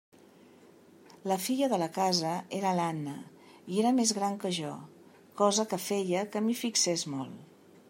La filla de la casa era l'Anna, i era més gran que jo, cosa que feia que m'hi fixés molt.